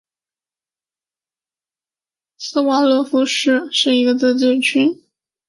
斯瓦勒夫市是瑞典南部斯科讷省的一个自治市。